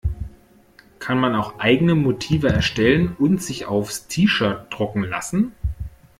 Kann man auch eigene Motive erstellen und sich aufs T-Shirt drucken lassen?